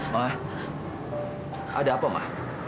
ma ada apa ma